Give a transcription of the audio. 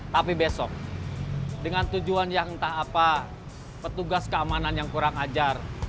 tapi besok dengan tujuan yang entah apa petugas keamanan yang kurang ajar